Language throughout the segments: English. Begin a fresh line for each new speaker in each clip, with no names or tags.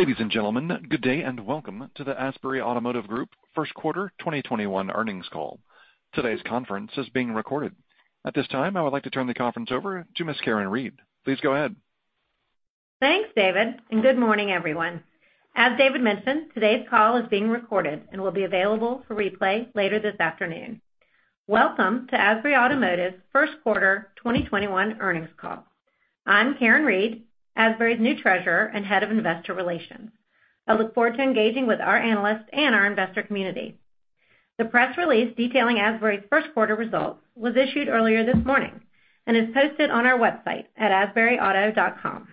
Ladies and gentlemen, good day and welcome to the Asbury Automotive Group First Quarter 2021 Earnings Call. Today's conference is being recorded. At this time, I would like to turn the conference over to Ms. Karen Reid. Please go ahead.
Thanks, David. Good morning, everyone. As David mentioned, today's call is being recorded and will be available for replay later this afternoon. Welcome to Asbury Automotive First Quarter 2021 Earnings Call. I'm Karen Reid, Asbury's new Treasurer and Head of Investor Relations. I look forward to engaging with our analysts and our investor community. The press release detailing Asbury's first quarter results was issued earlier this morning and is posted on our website at asburyauto.com.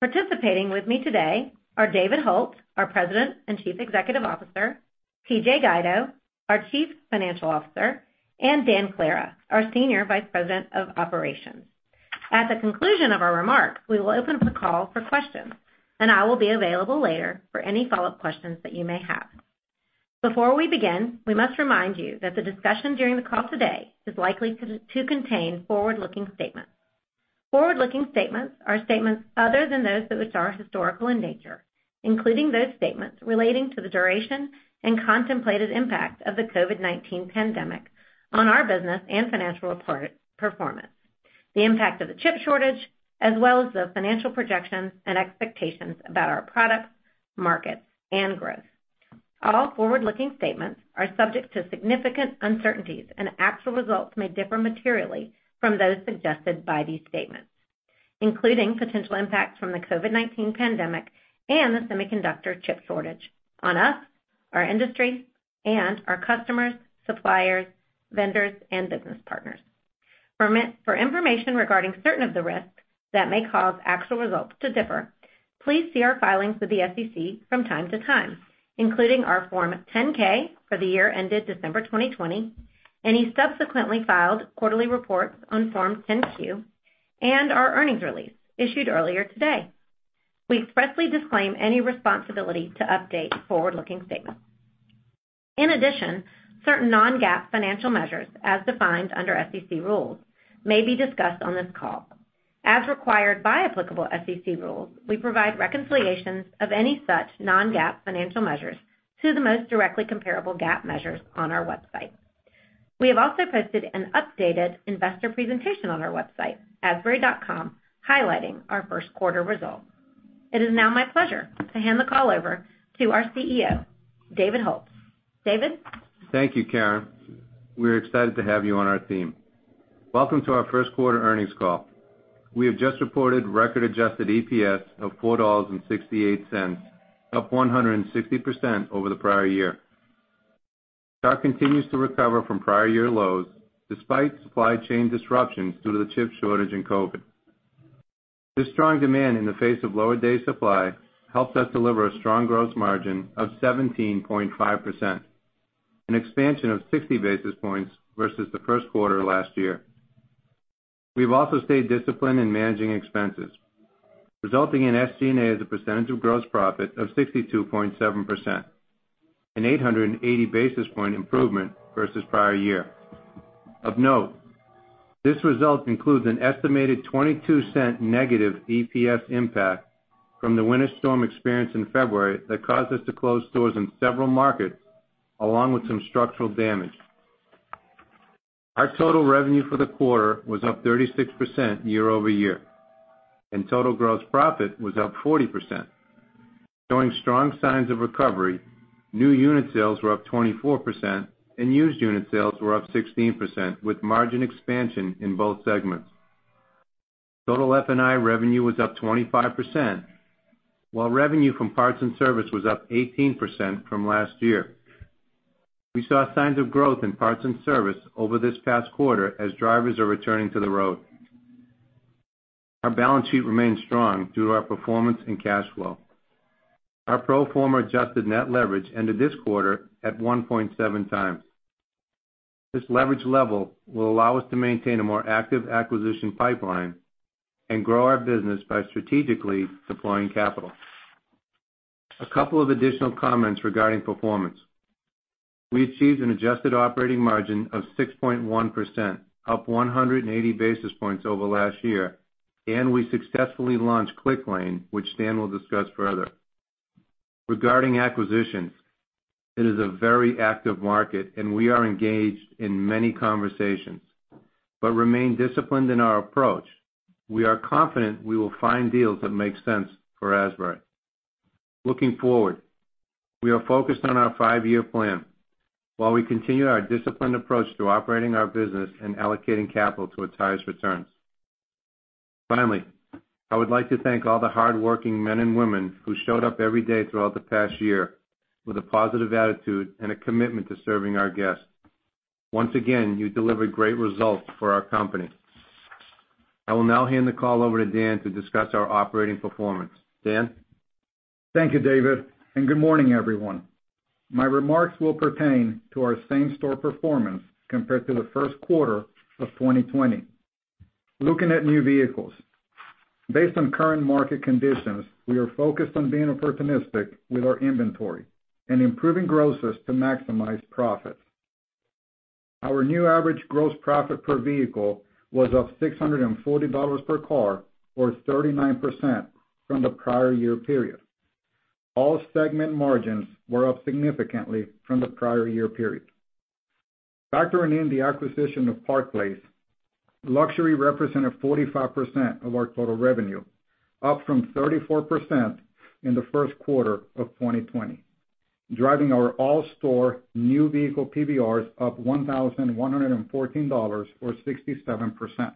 Participating with me today are David Hult, our President and Chief Executive Officer, P.J. Guido, our Chief Financial Officer, and Dan Clara, our Senior Vice President of Operations. At the conclusion of our remarks, we will open up the call for questions, and I will be available later for any follow-up questions that you may have. Before we begin, we must remind you that the discussion during the call today is likely to contain forward-looking statements. Forward-looking statements are statements other than those that which are historical in nature, including those statements relating to the duration and contemplated impact of the COVID-19 pandemic on our business and financial performance, the impact of the chip shortage, as well as the financial projections and expectations about our products, markets, and growth. All forward-looking statements are subject to significant uncertainties, and actual results may differ materially from those suggested by these statements, including potential impacts from the COVID-19 pandemic and the semiconductor chip shortage on us, our industry, and our customers, suppliers, vendors, and business partners. For information regarding certain of the risks that may cause actual results to differ, please see our filings with the SEC from time to time, including our Form 10-K for the year ended December 2020, any subsequently filed quarterly reports on Form 10-Q, and our earnings release issued earlier today. We expressly disclaim any responsibility to update forward-looking statements. In addition, certain non-GAAP financial measures, as defined under SEC rules, may be discussed on this call. As required by applicable SEC rules, we provide reconciliations of any such non-GAAP financial measures to the most directly comparable GAAP measures on our website. We have also posted an updated investor presentation on our website, asburyauto.com, highlighting our first quarter results. It is now my pleasure to hand the call over to our CEO, David Hult. David?
Thank you, Karen. We're excited to have you on our team. Welcome to our First Quarter Earnings Call. We have just reported record adjusted EPS of $4.68, up 160% over the prior year. Stock continues to recover from prior year lows despite supply chain disruptions due to the chip shortage and COVID. This strong demand in the face of lower day supply helped us deliver a strong gross margin of 17.5%, an expansion of 60 basis points versus the first quarter last year. We've also stayed disciplined in managing expenses, resulting in SG&A as a percentage of gross profit of 62.7%, an 880 basis point improvement versus prior year. Of note, this result includes an estimated $0.22 negative EPS impact from the winter storm experienced in February that caused us to close stores in several markets, along with some structural damage. Our total revenue for the quarter was up 36% year-over-year, and total gross profit was up 40%. Showing strong signs of recovery, new unit sales were up 24%, and used unit sales were up 16%, with margin expansion in both segments. Total F&I revenue was up 25%, while revenue from parts and service was up 18% from last year. We saw signs of growth in parts and service over this past quarter as drivers are returning to the road. Our balance sheet remains strong due to our performance and cash flow. Our pro forma adjusted net leverage ended this quarter at 1.7x. This leverage level will allow us to maintain a more active acquisition pipeline and grow our business by strategically deploying capital. A couple of additional comments regarding performance. We achieved an adjusted operating margin of 6.1%, up 180 basis points over last year, and we successfully launched Clicklane, which Dan will discuss further. Regarding acquisitions, it is a very active market, and we are engaged in many conversations but remain disciplined in our approach. We are confident we will find deals that make sense for Asbury. Looking forward, we are focused on our five-year plan while we continue our disciplined approach to operating our business and allocating capital to its highest returns. Finally, I would like to thank all the hardworking men and women who showed up every day throughout the past year with a positive attitude and a commitment to serving our guests. Once again, you delivered great results for our company. I will now hand the call over to Dan to discuss our operating performance. Dan?
Thank you, David, and good morning, everyone. My remarks will pertain to our same-store performance compared to the first quarter of 2020. Looking at new vehicles, based on current market conditions, we are focused on being opportunistic with our inventory and improving grosses to maximize profits. Our new average gross profit per vehicle was up $640 per car or 39% from the prior year period. All segment margins were up significantly from the prior year period. Factoring in the acquisition of Park Place, luxury represented 45% of our total revenue, up from 34% in the first quarter of 2020, driving our all store new vehicle PVRs up $1,114 or 67%.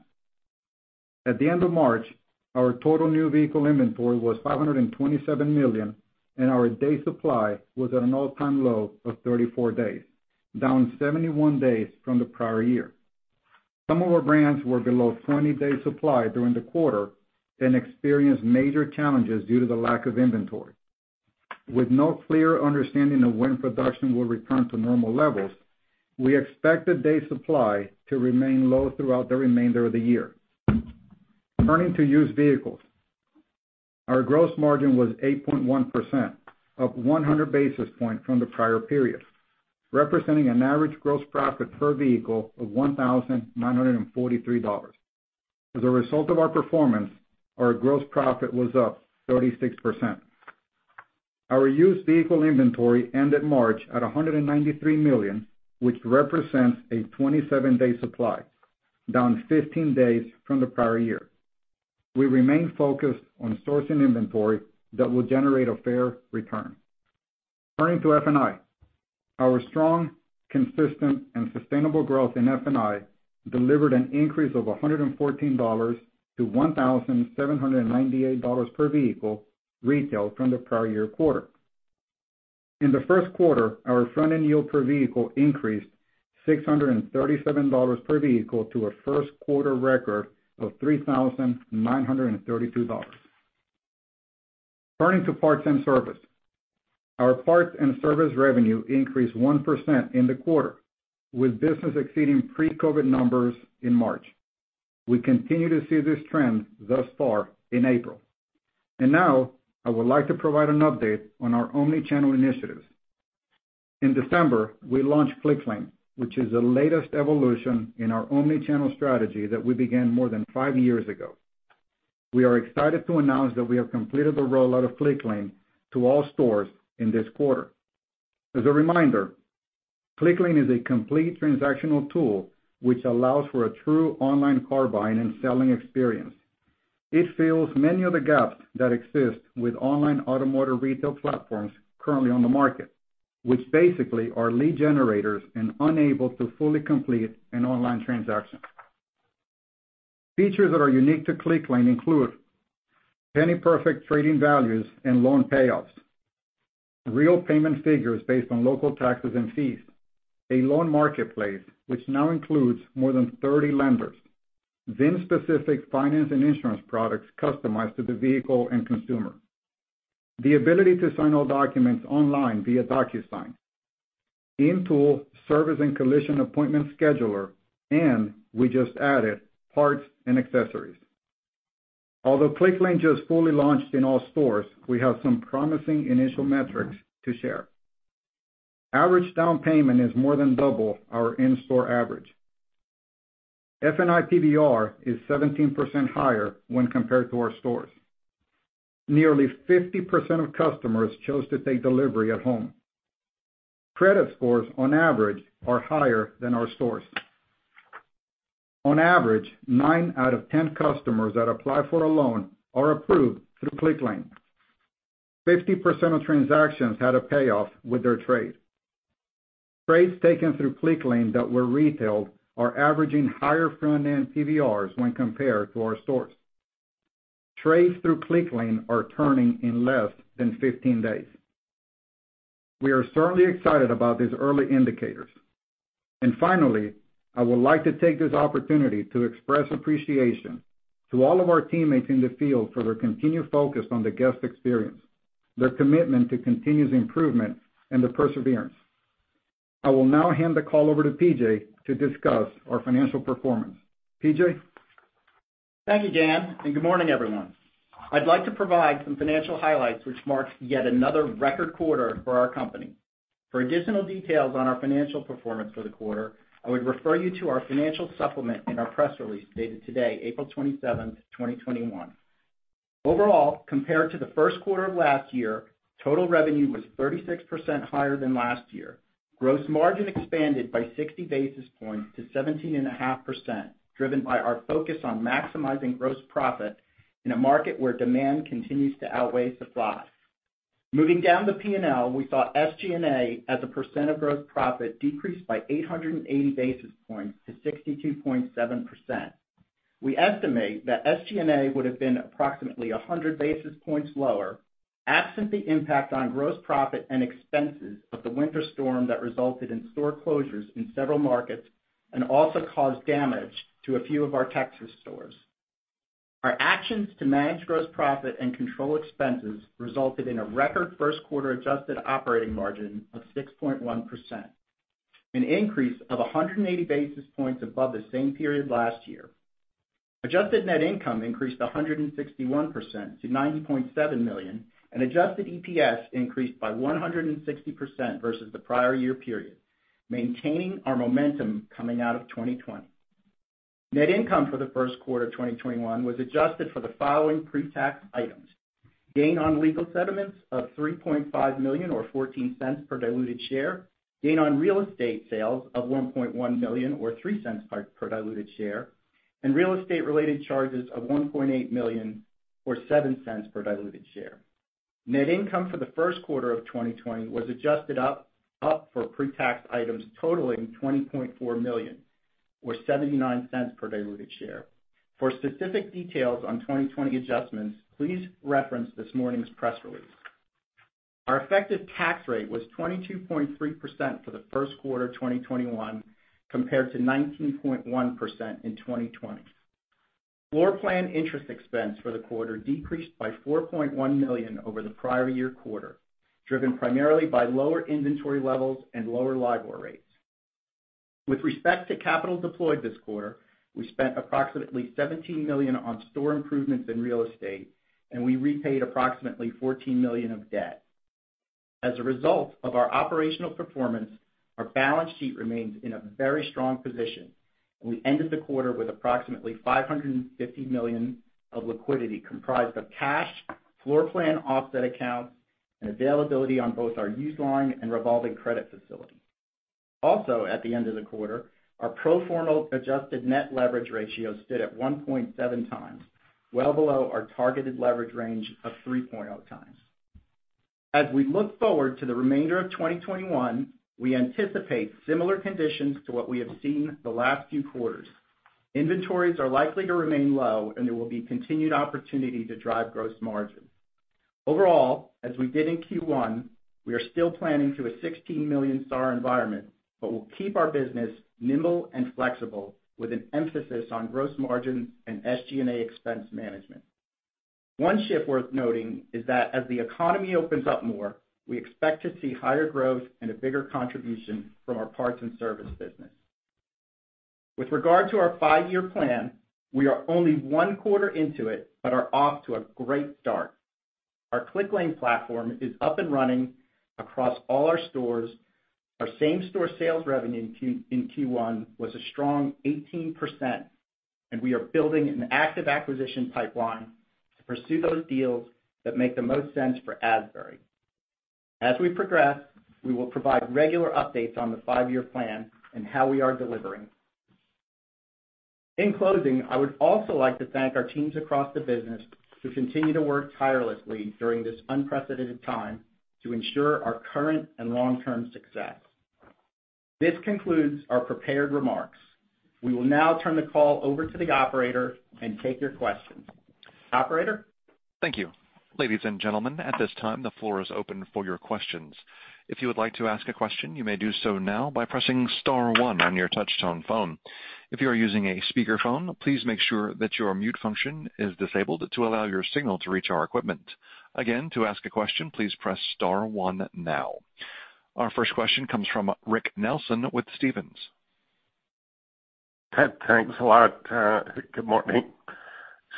At the end of March, our total new vehicle inventory was $527 million, and our day supply was at an all-time low of 34 days, down 71 days from the prior year. Some of our brands were below 20-day supply during the quarter and experienced major challenges due to the lack of inventory. With no clear understanding of when production will return to normal levels, we expect the day supply to remain low throughout the remainder of the year. Turning to used vehicles. Our gross margin was 8.1%, up 100 basis points from the prior period, representing an average gross profit per vehicle of $1,943. As a result of our performance, our gross profit was up 36%. Our used vehicle inventory ended March at $193 million, which represents a 27-day supply, down 15 days from the prior year. We remain focused on sourcing inventory that will generate a fair return. Turning to F&I. Our strong, consistent, and sustainable growth in F&I delivered an increase of $114-$1,798 per vehicle retailed from the prior year quarter. In the first quarter, our front-end yield per vehicle increased $637 per vehicle to a first-quarter record of $3,932. Turning to parts and service. Our parts and service revenue increased 1% in the quarter, with business exceeding pre-COVID-19 numbers in March. We continue to see this trend thus far in April. Now, I would like to provide an update on our omni-channel initiatives. In December, we launched Clicklane, which is the latest evolution in our omni-channel strategy that we began more than five years ago. We are excited to announce that we have completed the rollout of Clicklane to all stores in this quarter. As a reminder, Clicklane is a complete transactional tool which allows for a true online car buying and selling experience. It fills many of the gaps that exist with online automotive retail platforms currently on the market, which basically are lead generators and unable to fully complete an online transaction. Features that are unique to Clicklane include penny perfect trade-in values and loan payoffs, real payment figures based on local taxes and fees, a loan marketplace which now includes more than 30 lenders, VIN-specific finance and insurance products customized to the vehicle and consumer, the ability to sign all documents online via DocuSign, in-tool service and collision appointment scheduler, and we just added parts and accessories. Although Clicklane just fully launched in all stores, we have some promising initial metrics to share. Average down payment is more than double our in-store average. F&I PVR is 17% higher when compared to our stores. Nearly 50% of customers chose to take delivery at home. Credit scores, on average, are higher than our stores. On average, nine out of 10 customers that apply for a loan are approved through Clicklane. 50% of transactions had a payoff with their trade. Trades taken through Clicklane that were retailed are averaging higher front-end PVRs when compared to our stores. Trades through Clicklane are turning in less than 15 days. We are certainly excited about these early indicators. Finally, I would like to take this opportunity to express appreciation to all of our teammates in the field for their continued focus on the guest experience, their commitment to continuous improvement, and their perseverance. I will now hand the call over to P.J. to discuss our financial performance. P.J.?
Thank you, Dan, and good morning, everyone. I'd like to provide some financial highlights which marks yet another record quarter for our company. For additional details on our financial performance for the quarter, I would refer you to our financial supplement in our press release dated today, April 27th, 2021. Overall, compared to the first quarter of last year, total revenue was 36% higher than last year. Gross margin expanded by 60 basis points to 17.5%, driven by our focus on maximizing gross profit in a market where demand continues to outweigh supply. Moving down the P&L, we saw SG&A as a percent of gross profit decrease by 880 basis points to 62.7%. We estimate that SG&A would have been approximately 100 basis points lower, absent the impact on gross profit and expenses of the winter storm that resulted in store closures in several markets and also caused damage to a few of our Texas stores. Our actions to manage gross profit and control expenses resulted in a record first-quarter adjusted operating margin of 6.1%, an increase of 180 basis points above the same period last year. Adjusted net income increased 161% to $90.7 million, and adjusted EPS increased by 160% versus the prior year period, maintaining our momentum coming out of 2020. Net income for the first quarter 2021 was adjusted for the following pre-tax items: gain on legal settlements of $3.5 million or $0.14 per diluted share, gain on real estate sales of $1.1 million or $0.03 per diluted share, and real estate-related charges of $1.8 million or $0.07 per diluted share. Net income for the first quarter of 2020 was adjusted up for pre-tax items totaling $20.4 million or $0.79 per diluted share. For specific details on 2020 adjustments, please reference this morning's press release. Our effective tax rate was 22.3% for the first quarter 2021, compared to 19.1% in 2020. Floorplan interest expense for the quarter decreased by $4.1 million over the prior year quarter, driven primarily by lower inventory levels and lower LIBOR rates. With respect to capital deployed this quarter, we spent approximately $17 million on store improvements in real estate, and we repaid approximately $14 million of debt. As a result of our operational performance, our balance sheet remains in a very strong position, and we ended the quarter with approximately $550 million of liquidity, comprised of cash, floorplan offset accounts, and availability on both our used line and revolving credit facility. Also, at the end of the quarter, our pro forma adjusted net leverage ratio stood at 1.7x, well below our targeted leverage range of 3.0x. As we look forward to the remainder of 2021, we anticipate similar conditions to what we have seen the last few quarters. Inventories are likely to remain low, and there will be continued opportunity to drive gross margin. Overall, as we did in Q1, we are still planning to a 16 million SAAR environment, but we'll keep our business nimble and flexible, with an emphasis on gross margin and SG&A expense management. One shift worth noting is that as the economy opens up more, we expect to see higher growth and a bigger contribution from our parts and service business. With regard to our five-year plan, we are only one quarter into it but are off to a great start. Our Clicklane platform is up and running across all our stores. Our same-store sales revenue in Q1 was a strong 18%, and we are building an active acquisition pipeline to pursue those deals that make the most sense for Asbury. As we progress, we will provide regular updates on the five-year plan and how we are delivering. In closing, I would also like to thank our teams across the business who continue to work tirelessly during this unprecedented time to ensure our current and long-term success. This concludes our prepared remarks. We will now turn the call over to the operator and take your questions. Operator?
Thank you. Ladies and gentlemen, at this time, the floor is open for your questions. If you would like to ask a question, you may do so now by pressing star one on your touchtone phone. If you are using a speakerphone, please make sure that your mute function is disabled to allow your signal to reach our equipment. Again, to ask a question, please press star one now. Our first question comes from Rick Nelson with Stephens.
[Ted] thanks a lot. Good morning.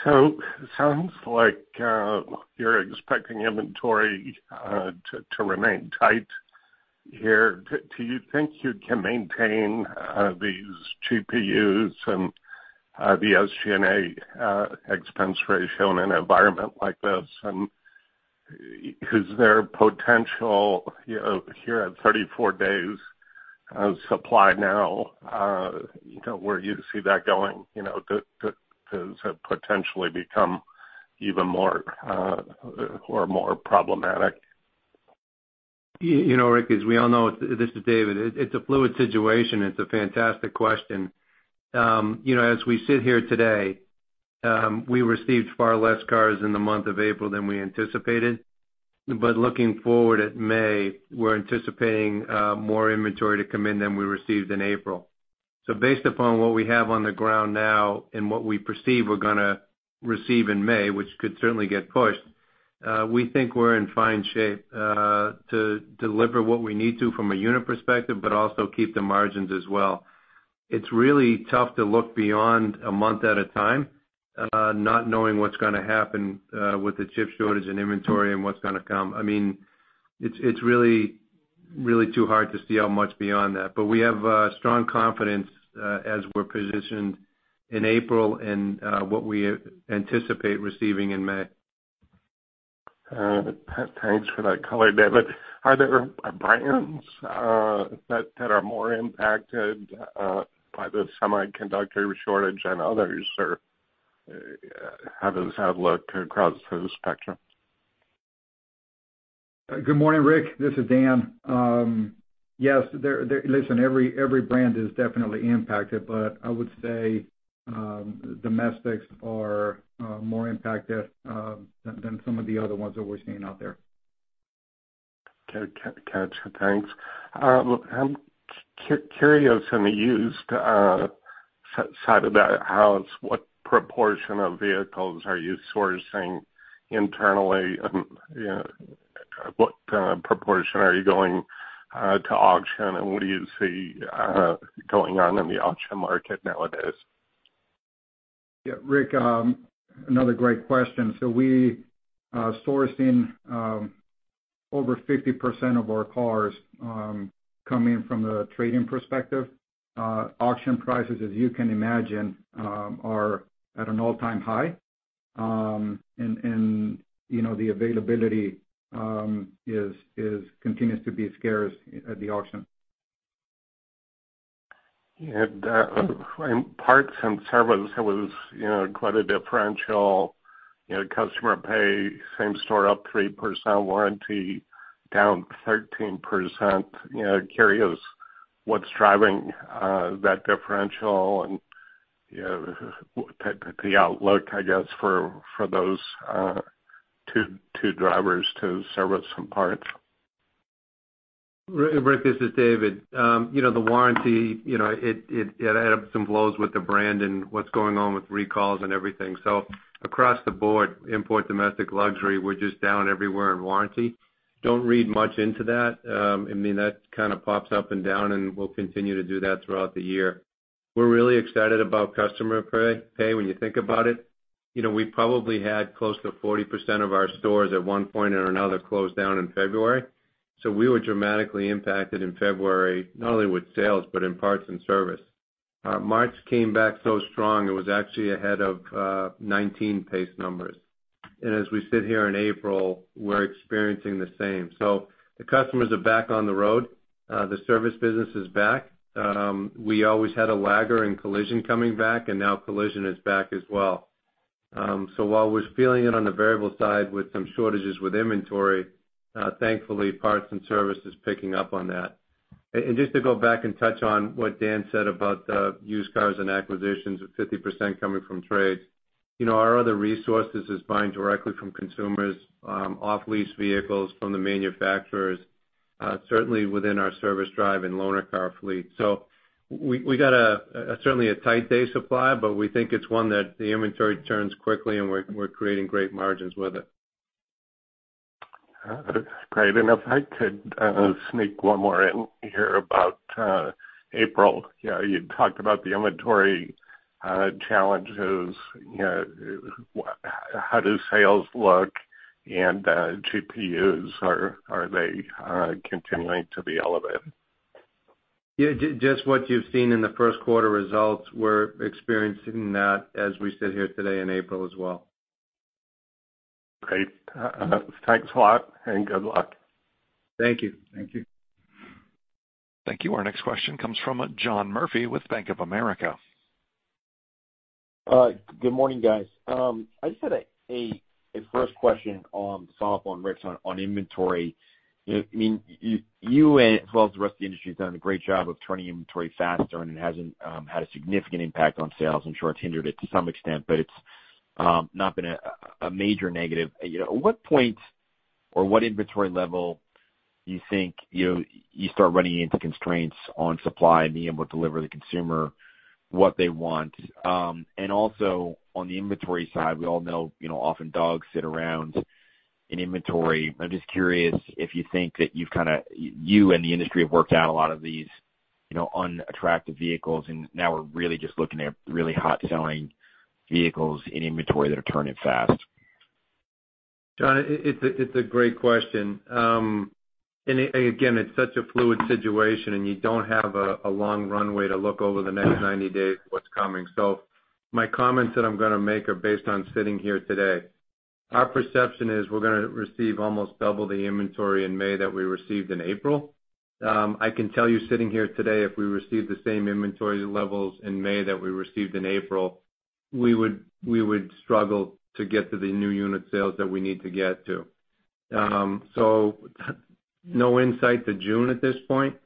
It sounds like you're expecting inventory to remain tight here. Do you think you can maintain these GPUs and the SG&A expense ratio in an environment like this? Is there potential here at 34 days of supply now, where you see that going to potentially become even more problematic?
Rick, as we all know, this is David, it's a fluid situation. It's a fantastic question. As we sit here today, we received far less cars in the month of April than we anticipated. Looking forward at May, we're anticipating more inventory to come in than we received in April. Based upon what we have on the ground now and what we perceive we're going to receive in May, which could certainly get pushed, we think we're in fine shape to deliver what we need to from a unit perspective, but also keep the margins as well. It's really tough to look beyond a month at a time, not knowing what's going to happen with the chip shortage and inventory and what's going to come. It's really too hard to see how much beyond that. We have strong confidence as we're positioned in April and what we anticipate receiving in May.
Thanks for that color, David. Are there brands that are more impacted by the semiconductor shortage than others, or how does that look across the spectrum?
Good morning, Rick. This is Dan. Yes. Listen, every brand is definitely impacted, but I would say domestics are more impacted than some of the other ones that we're seeing out there.
Got you. Thanks. I'm curious on the used side of the house, what proportion of vehicles are you sourcing internally and what proportion are you going to auction, and what do you see going on in the auction market nowadays?
Yeah, Rick, another great question. We are sourcing over 50% of our cars coming from a trade-in perspective. Auction prices, as you can imagine are at an all-time high. The availability continues to be scarce at the auction.
Yeah. In parts and service, it was quite a differential. Customer pay, same-store up 3%, warranty down 13%. Curious what's driving that differential and the outlook, I guess, for those two drivers to service some parts.
Rick, this is David. The warranty, it had ups and lows with the brand and what's going on with recalls and everything. Across the board, import, domestic, luxury, we're just down everywhere in warranty. Don't read much into that. That kind of pops up and down, and will continue to do that throughout the year. We're really excited about customer pay. When you think about it, we probably had close to 40% of our stores at one point or another closed down in February. We were dramatically impacted in February, not only with sales, but in parts and service. March came back so strong, it was actually ahead of 2019 pace numbers. As we sit here in April, we're experiencing the same. The customers are back on the road. The service business is back. We always had a laggard in collision coming back. Now collision is back as well. While we're feeling it on the variable side with some shortages with inventory, thankfully, parts and service is picking up on that. Just to go back and touch on what Dan said about the used cars and acquisitions with 50% coming from trades. Our other resources is buying directly from consumers, off-lease vehicles from the manufacturers, certainly within our service drive and loaner car fleet. We got certainly a tight day supply, but we think it's one that the inventory turns quickly, and we're creating great margins with it.
Great. If I could sneak one more in here about April. You talked about the inventory challenges. How do sales look, and GPUs, are they continuing to be elevated?
Yeah. Just what you've seen in the first quarter results, we're experiencing that as we sit here today in April as well.
Great. Thanks a lot, and good luck.
Thank you.
Thank you. Our next question comes from John Murphy with Bank of America.
Good morning, guys. I just had a first question to follow up on Rick's on inventory. You as well as the rest of the industry has done a great job of turning inventory faster, and it hasn't had a significant impact on sales. I'm sure it's hindered it to some extent, but it's not been a major negative. At what point or what inventory level you think you start running into constraints on supply and being able to deliver the consumer what they want? Also on the inventory side, we all know, often dogs sit around in inventory. I'm just curious if you think that you and the industry have worked out a lot of these unattractive vehicles, and now we're really just looking at really hot selling vehicles in inventory that are turning fast.
John, it's a great question. Again, it's such a fluid situation, and you don't have a long runway to look over the next 90 days what's coming. My comments that I'm going to make are based on sitting here today. Our perception is we're going to receive almost double the inventory in May that we received in April. I can tell you sitting here today, if we receive the same inventory levels in May that we received in April, we would struggle to get to the new unit sales that we need to get to. No insight to June at this point.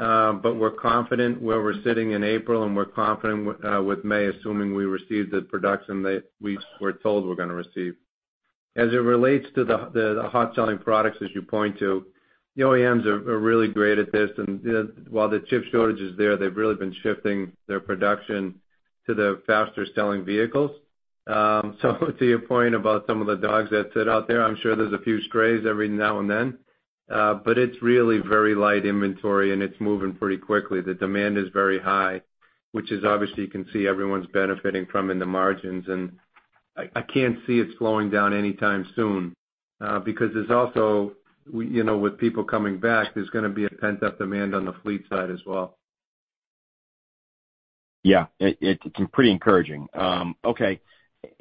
We're confident where we're sitting in April, and we're confident with May, assuming we receive the production that we were told we're going to receive. As it relates to the hot selling products, as you point to, the OEMs are really great at this. While the chip shortage is there, they've really been shifting their production to the faster selling vehicles. To your point about some of the dogs that sit out there, I'm sure there's a few strays every now and then. It's really very light inventory, and it's moving pretty quickly. The demand is very high, which is obviously you can see everyone's benefiting from in the margins, and I can't see it slowing down anytime soon. There's also, with people coming back, there's going to be a pent-up demand on the fleet side as well.
Yeah. It's pretty encouraging. Okay.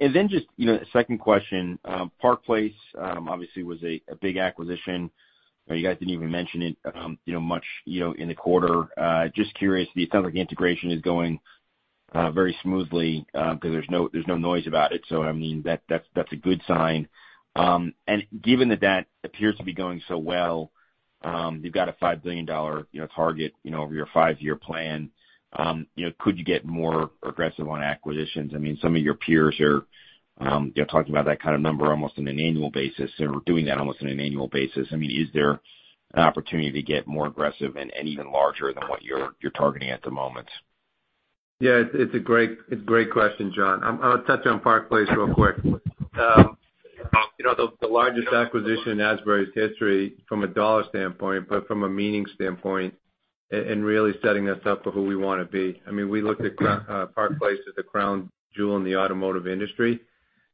Just second question. Park Place, obviously was a big acquisition. You guys didn't even mention it much in the quarter. Just curious, it sounds like integration is going very smoothly, because there's no noise about it. That's a good sign. Given that appears to be going so well, you've got a $5 billion target over your five-year plan. Could you get more aggressive on acquisitions? Some of your peers are talking about that kind of number almost on an annual basis, or doing that almost on an annual basis. Is there an opportunity to get more aggressive and even larger than what you're targeting at the moment?
Yes, it's a great question, John. I'm going to touch on Park Place real quick. From a meaning standpoint and really setting us up for who we want to be. We looked at Park Place as the crown jewel in the automotive industry.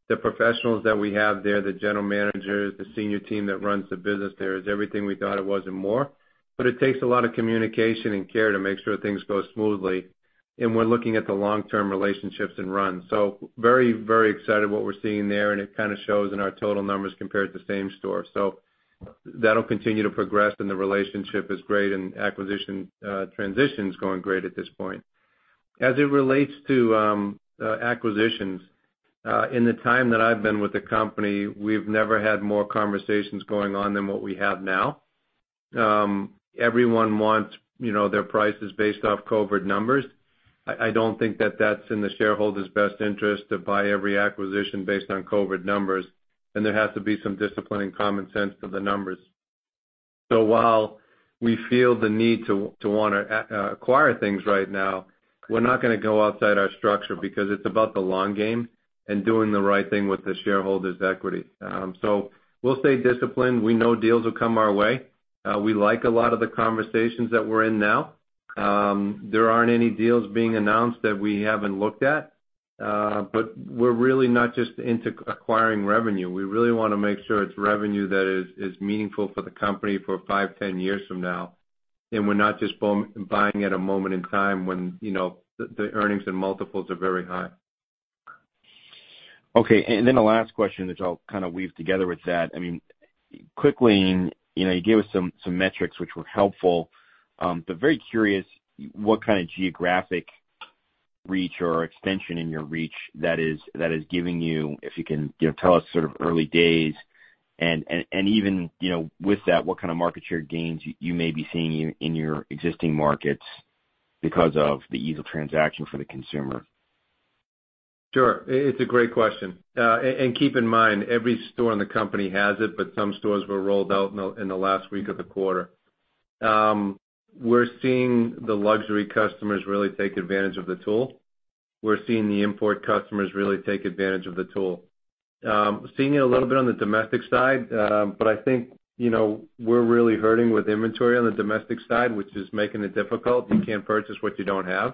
The professionals that we have there, the general managers, the senior team that runs the business there, is everything we thought it was and more. It takes a lot of communication and care to make sure things go smoothly, and we're looking at the long-term relationships and runs. Very excited what we're seeing there, and it kind of shows in our total numbers compared to same-store. That'll continue to progress, and the relationship is great, and acquisition transition's going great at this point. As it relates to acquisitions, in the time that I've been with the company, we've never had more conversations going on than what we have now. Everyone wants their prices based off COVID numbers. There has to be some discipline and common sense to the numbers. While we feel the need to want to acquire things right now, we're not going to go outside our structure because it's about the long game and doing the right thing with the shareholders' equity. We'll stay disciplined. We know deals will come our way. We like a lot of the conversations that we're in now. There aren't any deals being announced that we haven't looked at. We're really not just into acquiring revenue. We really want to make sure it's revenue that is meaningful for the company for five, 10 years from now, and we're not just buying at a moment in time when the earnings and multiples are very high.
Okay. The last question, which I'll kind of weave together with that. Clicklane, you gave us some metrics which were helpful. Very curious what kind of geographic reach or extension in your reach that is giving you, if you can tell us sort of early days and even with that, what kind of market share gains you may be seeing in your existing markets because of the ease of transaction for the consumer.
Sure. It's a great question. Keep in mind, every store in the company has it, but some stores were rolled out in the last week of the quarter. We're seeing the luxury customers really take advantage of the tool. We're seeing the import customers really take advantage of the tool. Seeing it a little bit on the domestic side, I think we're really hurting with inventory on the domestic side, which is making it difficult. You can't purchase what you don't have.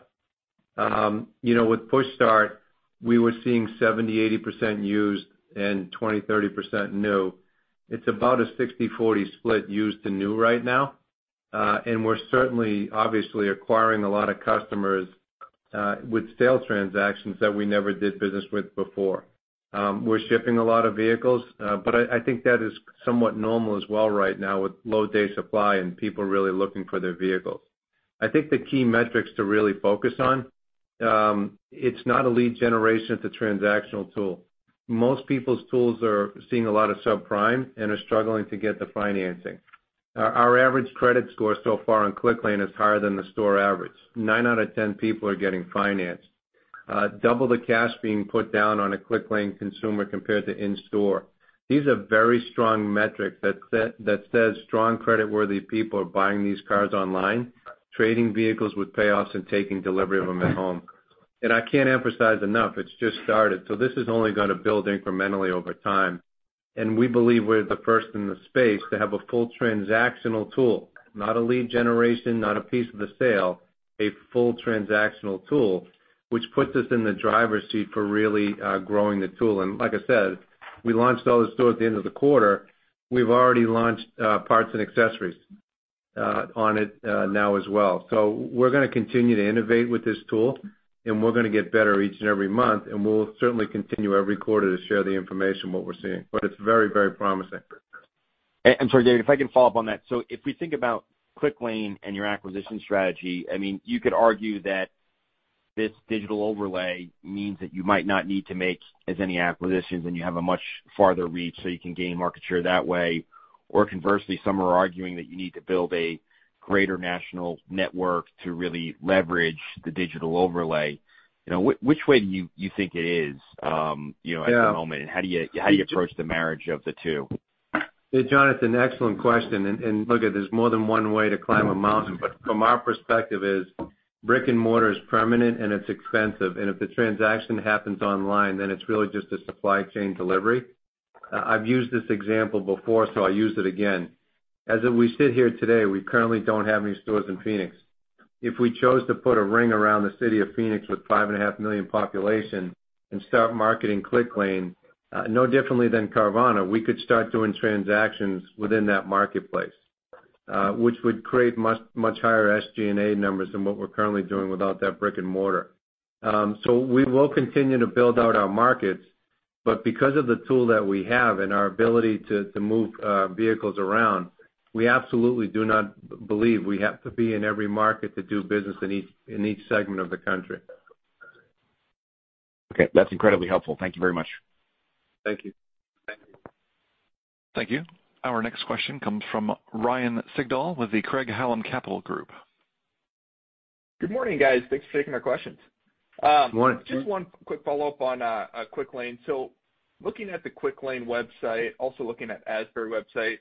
With PushStart, we were seeing 70%-80% used and 20%-30% new. It's about a 60/40 split used-to-new right now. We're certainly, obviously acquiring a lot of customers with sale transactions that we never did business with before. We're shipping a lot of vehicles, but I think that is somewhat normal as well right now with low day supply and people really looking for their vehicles. I think the key metrics to really focus on, it's not a lead generation, it's a transactional tool. Most people's tools are seeing a lot of subprime and are struggling to get the financing. Our average credit score so far on Clicklane is higher than the store average. Nine out of 10 people are getting financed. Double the cash being put down on a Clicklane consumer compared to in store. These are very strong metrics that says strong credit worthy people are buying these cars online, trading vehicles with payoffs and taking delivery of them at home. I can't emphasize enough, it's just started. This is only going to build incrementally over time. We believe we're the first in the space to have a full transactional tool, not a lead generation, not a piece of the sale, a full transactional tool, which puts us in the driver's seat for really growing the tool. Like I said, we launched all the stores at the end of the quarter. We've already launched parts and accessories on it now as well. We're going to continue to innovate with this tool, and we're going to get better each and every month, and we'll certainly continue every quarter to share the information what we're seeing. It's very promising.
I'm sorry, David, if I can follow up on that. If we think about Clicklane and your acquisition strategy, you could argue that this digital overlay means that you might not need to make as any acquisitions, and you have a much farther reach, so you can gain market share that way. Conversely, some are arguing that you need to build a greater national network to really leverage the digital overlay. Which way do you think it is at the moment?
Yeah.
How do you approach the marriage of the two?
John, it's an excellent question. Look, there's more than one way to climb a mountain, but from our perspective is brick and mortar is permanent, and it's expensive. If the transaction happens online, then it's really just a supply chain delivery. I've used this example before, I'll use it again. As we sit here today, we currently don't have any stores in Phoenix. If we chose to put a ring around the city of Phoenix with five and a half million population and start marketing Clicklane, no differently than Carvana, we could start doing transactions within that marketplace, which would create much higher SG&A numbers than what we're currently doing without that brick and mortar. We will continue to build out our markets, but because of the tool that we have and our ability to move vehicles around, we absolutely do not believe we have to be in every market to do business in each segment of the country.
Okay. That's incredibly helpful. Thank you very much.
Thank you.
Thank you. Our next question comes from Ryan Sigdahl with the Craig-Hallum Capital Group.
Good morning, guys. Thanks for taking our questions.
Good morning.
Just one quick follow-up on Clicklane. Looking at the Clicklane website, also looking at Asbury website.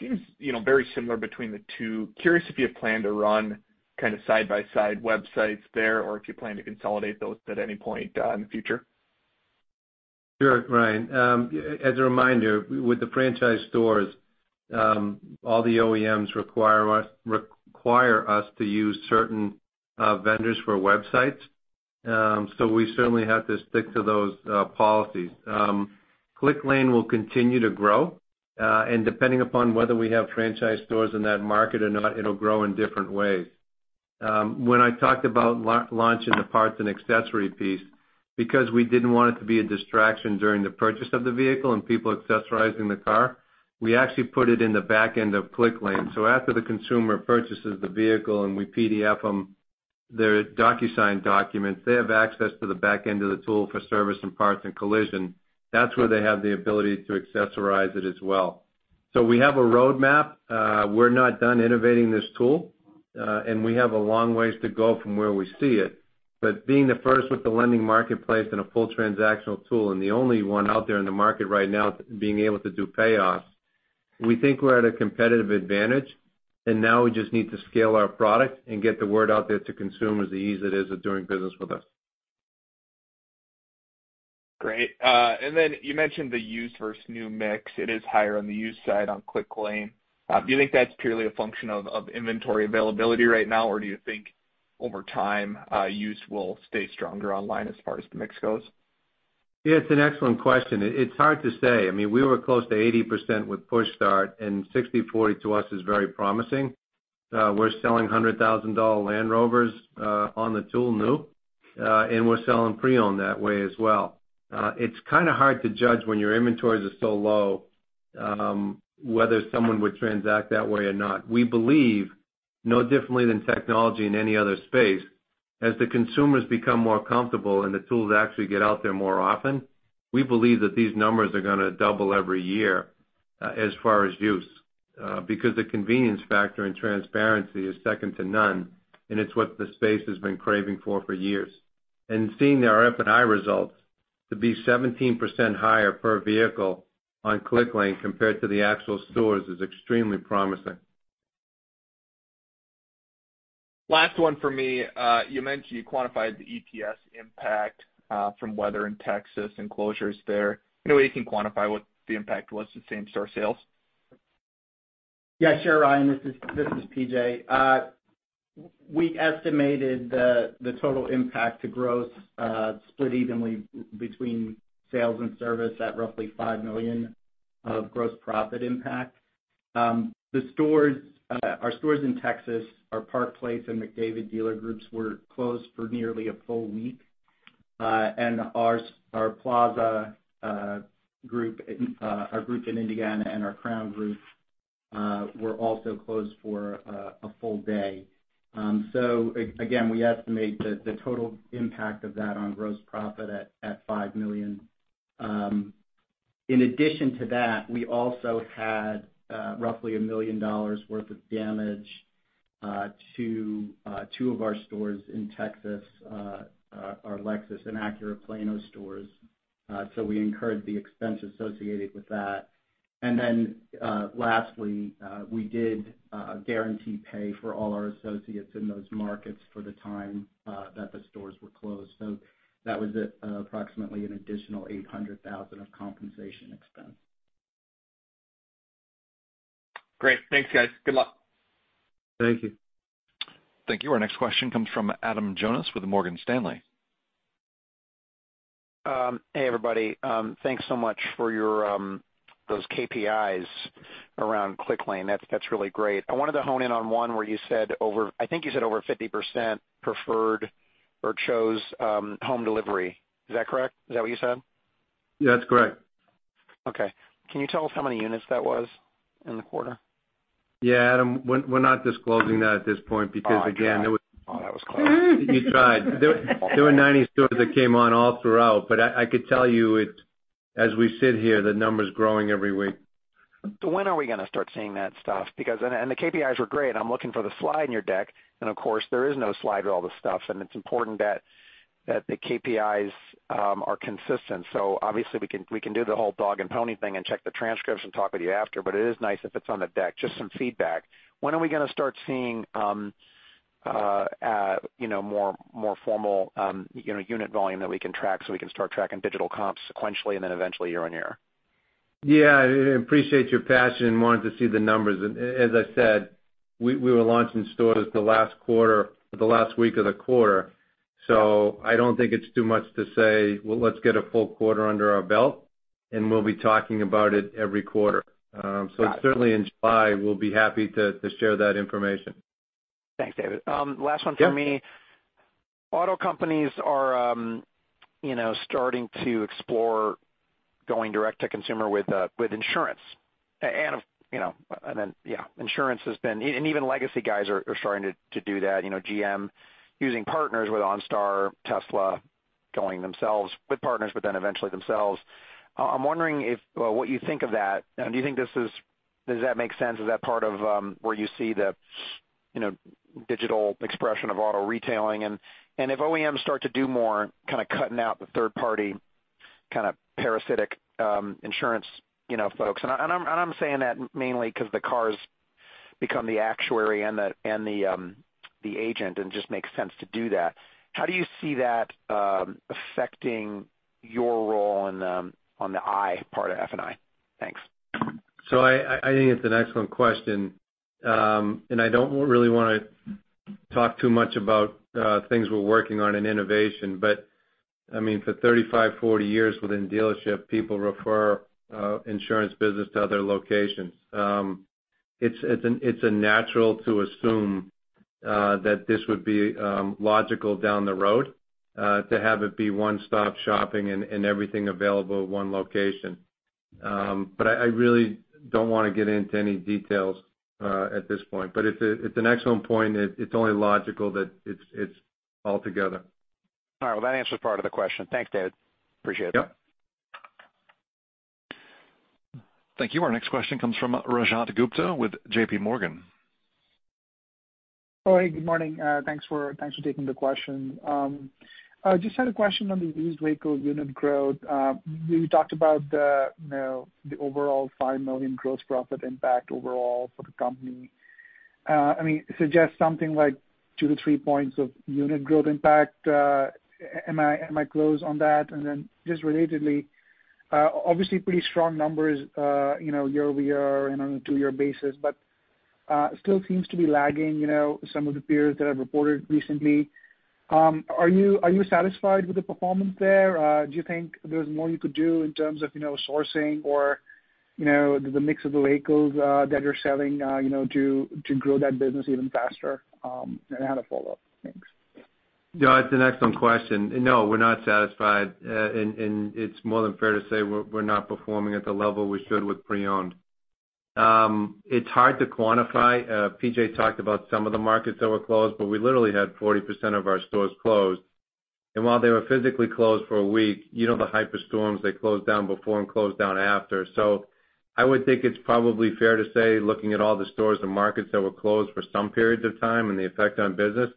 It seems very similar between the two. Curious if you have plan to run side-by-side websites there, or if you plan to consolidate those at any point in the future?
Sure, Ryan. As a reminder, with the franchise stores, all the OEMs require us to use certain vendors for websites. We certainly have to stick to those policies. Clicklane will continue to grow, and depending upon whether we have franchise stores in that market or not, it'll grow in different ways. When I talked about launching the parts and accessory piece, because we didn't want it to be a distraction during the purchase of the vehicle and people accessorizing the car, we actually put it in the back end of Clicklane. After the consumer purchases the vehicle and we PDF them their DocuSign documents, they have access to the back end of the tool for service and parts and collision. That's where they have the ability to accessorize it as well. We have a roadmap. We're not done innovating this tool. We have a long ways to go from where we see it. Being the first with the lending marketplace and a full transactional tool, and the only one out there in the market right now being able to do payoffs, we think we're at a competitive advantage. Now we just need to scale our product and get the word out there to consumers the ease it is of doing business with us.
Great. You mentioned the used versus new mix. It is higher on the used side on Clicklane. Do you think that's purely a function of inventory availability right now, or do you think over time, used will stay stronger online as far as the mix goes?
It's an excellent question. It's hard to say. We were close to 80% with PushStart. 60/40 to us is very promising. We're selling $100,000 Land Rover on the tool new. We're selling pre-owned that way as well. It's kind of hard to judge when your inventories are so low, whether someone would transact that way or not. We believe, no differently than technology in any other space, as the consumers become more comfortable and the tools actually get out there more often, we believe that these numbers are going to double every year, as far as used. The convenience factor and transparency is second to none. It's what the space has been craving for years. Seeing our F&I results to be 17% higher per vehicle on Clicklane compared to the actual stores is extremely promising.
Last one for me. You mentioned you quantified the EPS impact from weather in Texas and closures there. Any way you can quantify what the impact was to same-store sales?
Yeah, sure, Ryan. This is P.J. We estimated the total impact to gross split evenly between sales and service at roughly $5 million of gross profit impact. Our stores in Texas, our Park Place and McDavid dealer groups were closed for nearly a full week. Our Plaza group, our group in Indiana, and our Crown Group, were also closed for a full day. Again, we estimate the total impact of that on gross profit at $5 million. In addition to that, we also had roughly $1 million worth of damage to two of our stores in Texas, our Lexus and Acura Plano stores. We incurred the expense associated with that. Lastly, we did a guarantee pay for all our associates in those markets for the time that the stores were closed. That was approximately an additional $800,000 of compensation expense.
Great. Thanks, guys. Good luck.
Thank you.
Thank you. Our next question comes from Adam Jonas with Morgan Stanley.
Hey, everybody. Thanks so much for those KPIs around Clicklane. That is really great. I wanted to hone in on one where you said over 50% preferred or chose home delivery. Is that correct? Is that what you said?
Yeah, that's correct.
Okay. Can you tell us how many units that was in the quarter?
Yeah, Adam, we're not disclosing that at this point because again.
Oh, I tried. Oh, that was close.
You tried. There were 90 stores that came on all throughout, but I could tell you, as we sit here, the number's growing every week.
When are we going to start seeing that stuff? The KPIs were great. I'm looking for the slide in your deck, and of course, there is no slide with all this stuff, and it's important that the KPIs are consistent. Obviously, we can do the whole dog and pony thing and check the transcripts and talk with you after, but it is nice if it's on the deck. Just some feedback. When are we going to start seeing more formal unit volume that we can track so we can start tracking digital comps sequentially, and then eventually year-on-year?
Yeah. I appreciate your passion in wanting to see the numbers. As I said, we were launching stores the last week of the quarter. I don't think it's too much to say, well, let's get a full quarter under our belt, and we'll be talking about it every quarter.
Got it.
Certainly in July, we'll be happy to share that information.
Thanks, David. Last one from me.
Yeah.
Auto companies are starting to explore going direct to consumer with insurance. Even legacy guys are starting to do that. GM using partners with OnStar, Tesla going themselves with partners, but then eventually themselves. I'm wondering what you think of that. Do you think does that make sense? Is that part of where you see the digital expression of auto retailing? If OEMs start to do more cutting out the third-party kind of parasitic insurance folks. I'm saying that mainly because the car's become the actuary and the agent, and it just makes sense to do that. How do you see that affecting your role on the I part of F&I? Thanks.
I think it's an excellent question. I don't really want to talk too much about things we're working on in innovation, but for 35, 40 years within dealership, people refer insurance business to other locations. It's natural to assume that this would be logical down the road to have it be one-stop shopping and everything available at one location. I really don't want to get into any details at this point. It's an excellent point. It's only logical that it's all together.
All right. Well, that answers part of the question. Thanks, David. Appreciate it.
Yep.
Thank you. Our next question comes from Rajat Gupta with JPMorgan.
Oh, hey, good morning. Thanks for taking the question. Just had a question on the used vehicle unit growth. You talked about the overall $5 million gross profit impact overall for the company. Suggest something like 2-3 points of unit growth impact. Am I close on that? Then just relatedly, obviously pretty strong numbers year-over-year and on a two-year basis, but still seems to be lagging some of the peers that have reported recently. Are you satisfied with the performance there? Do you think there's more you could do in terms of sourcing or the mix of the vehicles that you're selling to grow that business even faster? I had a follow-up. Thanks.
Yeah, it's an excellent question. No, we're not satisfied, and it's more than fair to say we're not performing at the level we should with pre-owned. It's hard to quantify. P.J. talked about some of the markets that were closed. We literally had 40% of our stores closed. While they were physically closed for a week, you know the hyper storms, they closed down before and closed down after. I would think it's probably fair to say, looking at all the stores and markets that were closed for some periods of time and the effect on business,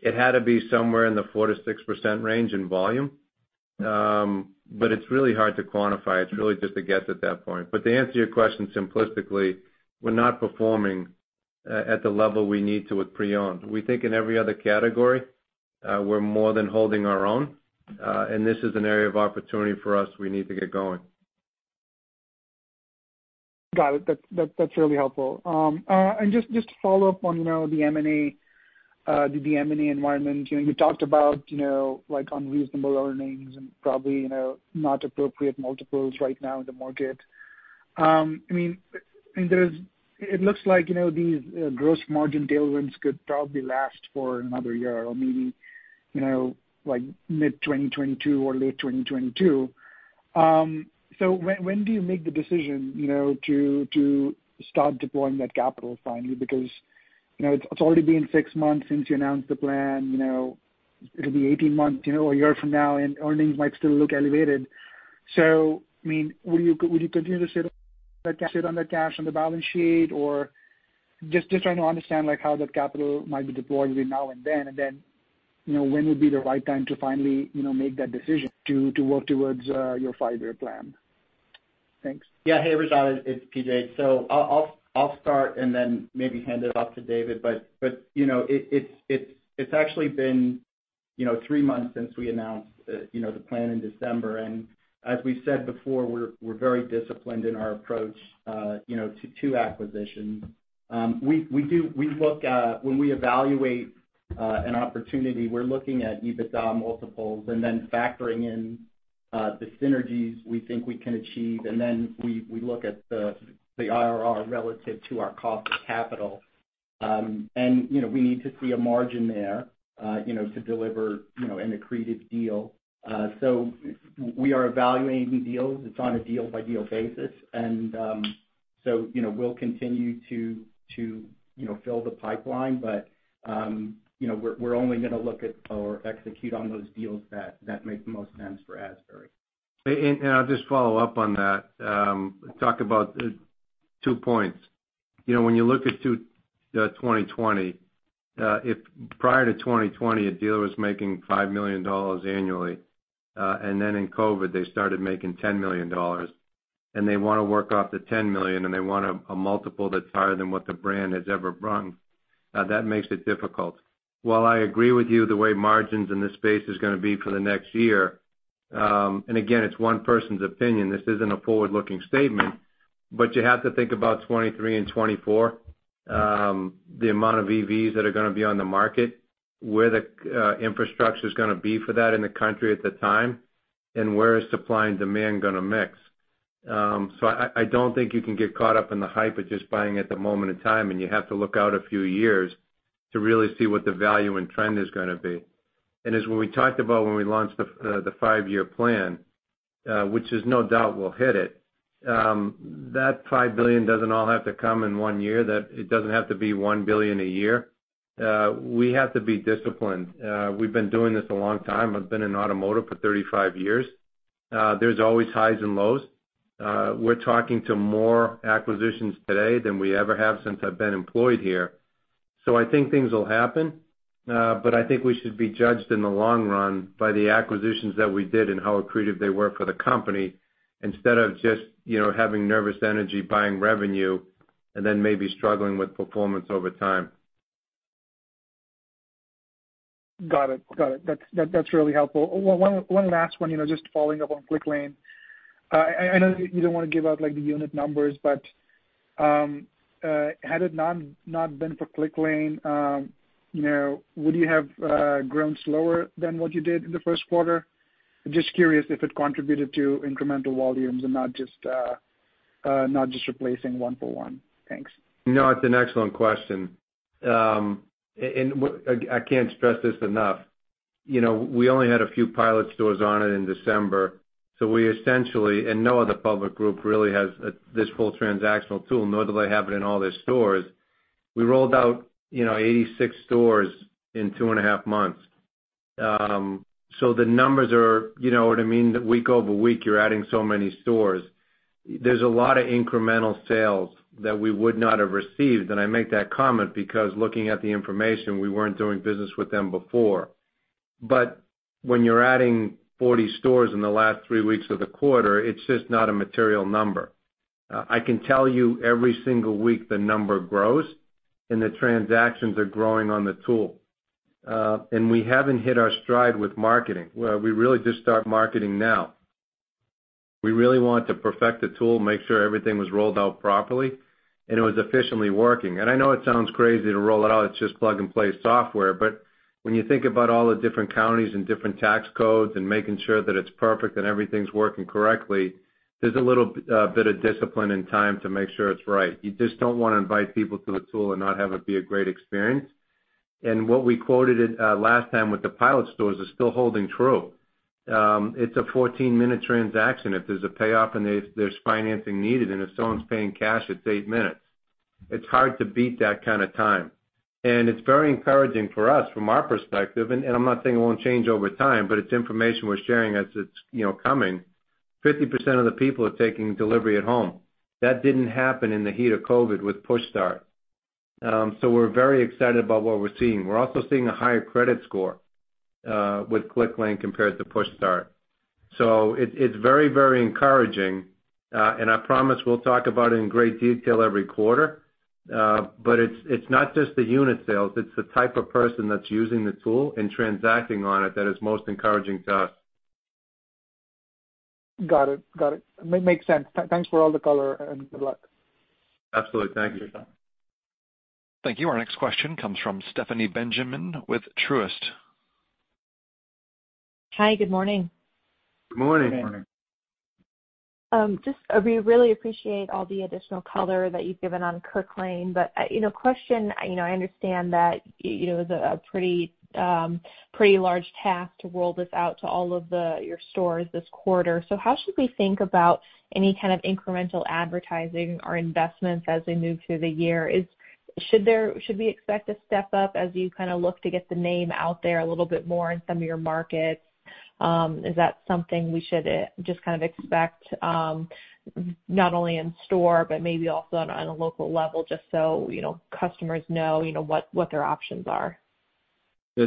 it had to be somewhere in the 4%-6% range in volume. It's really hard to quantify. It's really just a guess at that point. To answer your question simplistically, we're not performing at the level we need to with pre-owned. We think in every other category, we're more than holding our own, and this is an area of opportunity for us we need to get going.
Got it. That's really helpful. Just to follow up on the M&A environment. You talked about unreasonable earnings and probably not appropriate multiples right now in the market. It looks like these gross margin tailwinds could probably last for another year or maybe mid-2022 or late 2022. When do you make the decision to start deploying that capital finally? Because it's already been six months since you announced the plan. It'll be 18 months a year from now, and earnings might still look elevated. Would you continue to sit on that cash on the balance sheet? Just trying to understand how that capital might be deployed between now and then, and then when would be the right time to finally make that decision to work towards your five-year plan? Thanks.
Yeah. Hey, Rajat, it's P.J. I'll start and then maybe hand it off to David. It's actually been three months since we announced the plan in December. As we said before, we're very disciplined in our approach to acquisition. When we evaluate an opportunity, we're looking at EBITDA multiples and then factoring in the synergies we think we can achieve, and then we look at the IRR relative to our cost of capital. We need to see a margin there to deliver an accretive deal. We are evaluating deals. It's on a deal-by-deal basis. We'll continue to fill the pipeline, we're only going to look at or execute on those deals that make the most sense for Asbury.
I'll just follow up on that. Talk about 2 points. When you look at 2020, if prior to 2020 a dealer was making $5 million annually, then in COVID-19, they started making $10 million, and they want to work off the $10 million, and they want a multiple that's higher than what the brand has ever brought, that makes it difficult. While I agree with you the way margins in this space is going to be for the next year, and again, it's one person's opinion. This isn't a forward-looking statement, but you have to think about 2023 and 2024, the amount of EVs that are going to be on the market, where the infrastructure's going to be for that in the country at the time, and where is supply and demand going to mix. I don't think you can get caught up in the hype of just buying at the moment in time, and you have to look out a few years to really see what the value and trend is going to be. As when we talked about when we launched the five-year plan, which is no doubt we'll hit it, that $5 billion doesn't all have to come in one year. It doesn't have to be $1 billion a year. We have to be disciplined. We've been doing this a long time. I've been in automotive for 35 years. There's always highs and lows. We're talking to more acquisitions today than we ever have since I've been employed here. I think things will happen, but I think we should be judged in the long run by the acquisitions that we did and how accretive they were for the company instead of just having nervous energy, buying revenue, and then maybe struggling with performance over time.
Got it. That's really helpful. One last one, just following up on Clicklane. I know you don't want to give out the unit numbers, but had it not been for Clicklane, would you have grown slower than what you did in the first quarter? Just curious if it contributed to incremental volumes and not just replacing one for one. Thanks.
No, it's an excellent question. I can't stress this enough. We only had a few pilot stores on it in December, so we essentially, and no other public group really has this full transactional tool, nor do they have it in all their stores. We rolled out 86 stores in two and a half months. The numbers are You know what I mean? Week-over-week, you're adding so many stores. There's a lot of incremental sales that we would not have received. I make that comment because looking at the information, we weren't doing business with them before. When you're adding 40 stores in the last three weeks of the quarter, it's just not a material number. I can tell you every single week the number grows, and the transactions are growing on the tool. We haven't hit our stride with marketing. We really just start marketing now. We really wanted to perfect the tool, make sure everything was rolled out properly and it was efficiently working. I know it sounds crazy to roll it out. It's just plug-and-play software, but when you think about all the different counties and different tax codes and making sure that it's perfect and everything's working correctly, there's a little bit of discipline and time to make sure it's right. You just don't want to invite people to a tool and not have it be a great experience. What we quoted it last time with the pilot stores is still holding true. It's a 14-minute transaction if there's a payoff and if there's financing needed, and if someone's paying cash, it's eight minutes. It's hard to beat that kind of time. It's very encouraging for us from our perspective, and I'm not saying it won't change over time, but it's information we're sharing as it's coming. 50% of the people are taking delivery at home. That didn't happen in the heat of COVID-19 with PushStart. We're very excited about what we're seeing. We're also seeing a higher credit score with Clicklane compared to PushStart. It's very encouraging, and I promise we'll talk about it in great detail every quarter. It's not just the unit sales, it's the type of person that's using the tool and transacting on it that is most encouraging to us.
Got it. Makes sense. Thanks for all the color, and good luck.
Absolutely. Thank you.
Thank you. Our next question comes from Stephanie Benjamin with Truist.
Hi. Good morning.
Good morning.
We really appreciate all the additional color that you've given on Clicklane. Question, I understand that it was a pretty large task to roll this out to all of your stores this quarter. How should we think about any kind of incremental advertising or investments as we move through the year? Should we expect a step up as you kind of look to get the name out there a little bit more in some of your markets? Is that something we should just kind of expect, not only in store, but maybe also on a local level, just so customers know what their options are?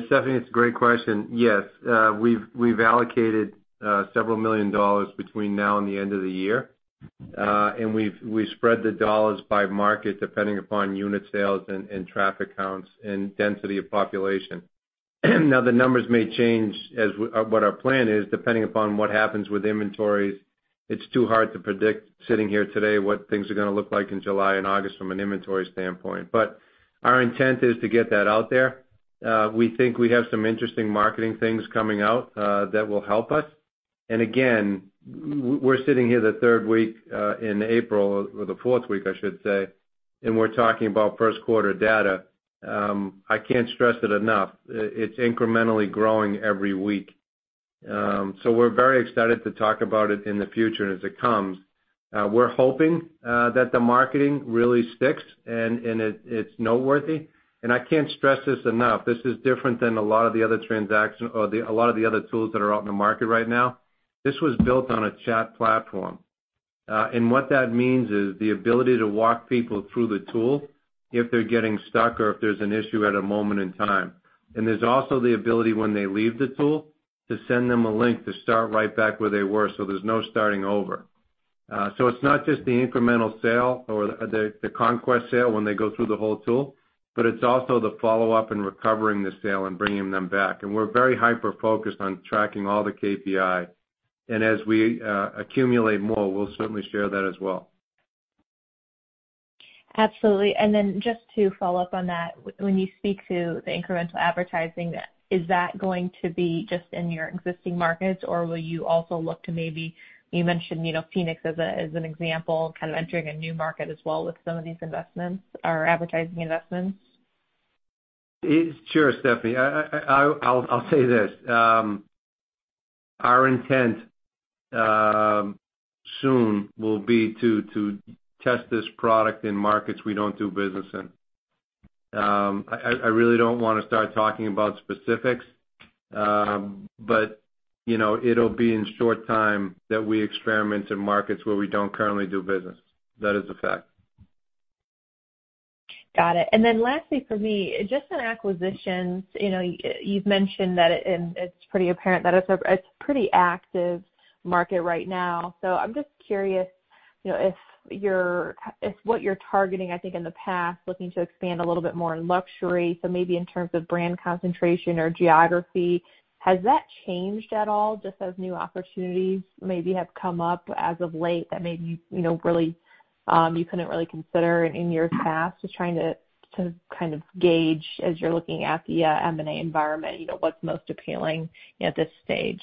Stephanie, it's a great question. Yes. We've allocated several million dollars between now and the end of the year. We spread the dollars by market, depending upon unit sales and traffic counts and density of population. The numbers may change as what our plan is, depending upon what happens with inventories. It's too hard to predict sitting here today what things are going to look like in July and August from an inventory standpoint. Our intent is to get that out there. We think we have some interesting marketing things coming out that will help us. Again, we're sitting here the third week in April, or the fourth week, I should say, and we're talking about first quarter data. I can't stress it enough. It's incrementally growing every week. We're very excited to talk about it in the future and as it comes. We're hoping that the marketing really sticks and it's noteworthy. I can't stress this enough. This is different than a lot of the other tools that are out in the market right now. This was built on a chat platform. What that means is the ability to walk people through the tool if they're getting stuck or if there's an issue at a moment in time. There's also the ability when they leave the tool to send them a link to start right back where they were, so there's no starting over. It's not just the incremental sale or the conquest sale when they go through the whole tool, but it's also the follow-up and recovering the sale and bringing them back. We're very hyper-focused on tracking all the KPI. As we accumulate more, we'll certainly share that as well.
Absolutely. Just to follow up on that, when you speak to the incremental advertising, is that going to be just in your existing markets, or will you also look to maybe, you mentioned Phoenix as an example, kind of entering a new market as well with some of these investments or advertising investments?
Sure, Stephanie. I'll say this. Our intent soon will be to test this product in markets we don't do business in. I really don't want to start talking about specifics. It'll be in short time that we experiment in markets where we don't currently do business. That is a fact.
Got it. Lastly for me, just on acquisitions, you've mentioned that it's pretty apparent that it's a pretty active market right now. I'm just curious if what you're targeting, I think, in the past, looking to expand a little bit more in luxury, so maybe in terms of brand concentration or geography. Has that changed at all just as new opportunities maybe have come up as of late that maybe you couldn't really consider in your past? Just trying to kind of gauge as you're looking at the M&A environment, what's most appealing at this stage?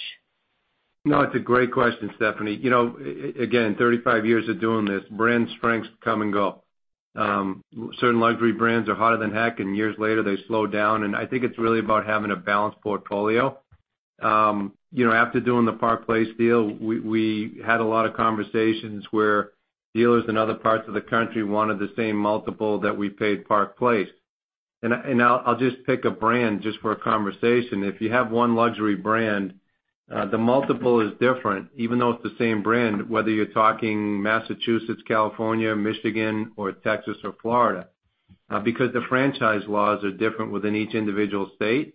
No, it's a great question, Stephanie. Again, 35 years of doing this, brand strengths come and go. Certain luxury brands are hotter than heck, and years later they slow down, and I think it's really about having a balanced portfolio. After doing the Park Place deal, we had a lot of conversations where dealers in other parts of the country wanted the same multiple that we paid Park Place. I'll just pick a brand just for a conversation. If you have one luxury brand, the multiple is different, even though it's the same brand, whether you're talking Massachusetts, California, Michigan, or Texas or Florida. Because the franchise laws are different within each individual state.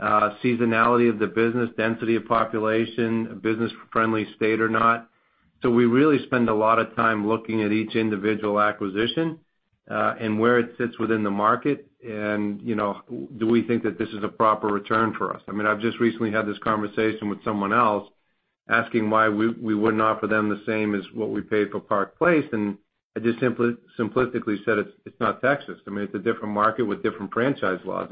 Seasonality of the business, density of population, a business-friendly state or not. We really spend a lot of time looking at each individual acquisition, and where it sits within the market and do we think that this is a proper return for us? I've just recently had this conversation with someone else asking why we wouldn't offer them the same as what we paid for Park Place, and I just simplistically said it's not Texas. It's a different market with different franchise laws.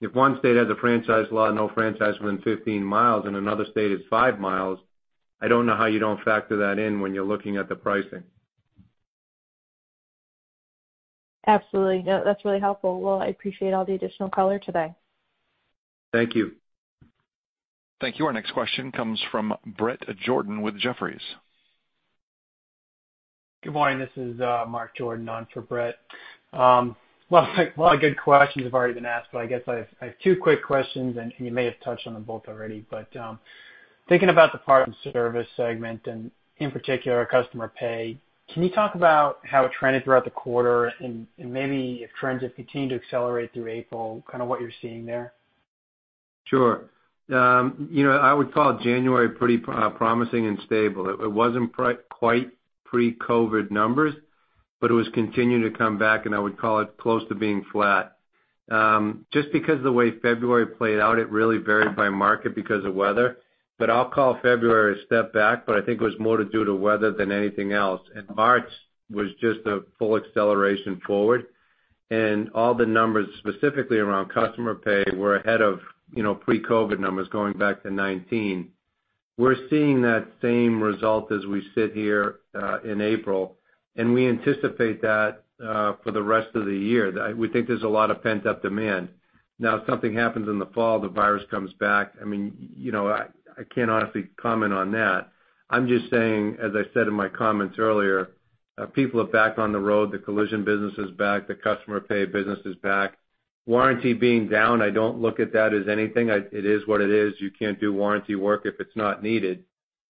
If one state has a franchise law, no franchise within 15 miles, and another state is five miles, I don't know how you don't factor that in when you're looking at the pricing.
Absolutely. No, that's really helpful. Well, I appreciate all the additional color today.
Thank you.
Thank you. Our next question comes from Bret Jordan with Jefferies.
Good morning. This is Mark Jordan on for Bret Jordan. A lot of good questions have already been asked, I guess I have two quick questions, and you may have touched on them both already. Thinking about the parts and service segment and in particular customer pay, can you talk about how it trended throughout the quarter and maybe if trends have continued to accelerate through April, kind of what you're seeing there?
Sure. I would call January pretty promising and stable. It wasn't quite pre-COVID numbers, but it was continuing to come back, and I would call it close to being flat. Just because of the way February played out, it really varied by market because of weather. I'll call February a step back, but I think it was more to do to weather than anything else. March was just a full acceleration forward. All the numbers specifically around customer pay were ahead of pre-COVID numbers going back to 2019. We're seeing that same result as we sit here in April, and we anticipate that for the rest of the year. We think there's a lot of pent-up demand. Now, if something happens in the fall, the virus comes back, I can't honestly comment on that. I'm just saying, as I said in my comments earlier, people are back on the road. The collision business is back. The customer pay business is back. Warranty being down, I don't look at that as anything. It is what it is. You can't do warranty work if it's not needed.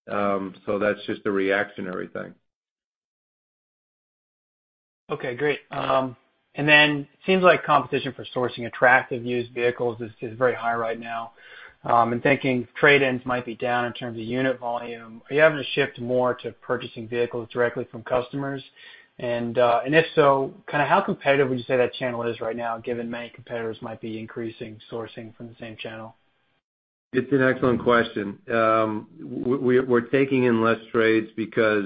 That's just a reactionary thing.
Okay, great. It seems like competition for sourcing attractive used vehicles is very high right now. I'm thinking trade-ins might be down in terms of unit volume. Are you having to shift more to purchasing vehicles directly from customers? If so, how competitive would you say that channel is right now given many competitors might be increasing sourcing from the same channel?
It's an excellent question. We're taking in less trades because